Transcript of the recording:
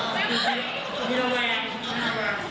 มันมีบางแวบ